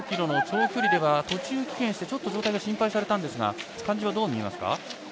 １５ｋｍの長距離では途中棄権して、ちょっと状態が心配されたんですが感じはどう見えますか？